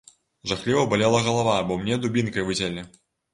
Жахліва балела галава, бо мне дубінкай выцялі.